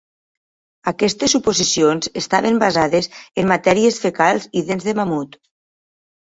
Aquestes suposicions estaven basades en matèries fecals i dents de mamut.